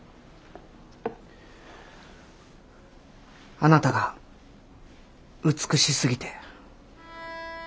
あなたが美しすぎて。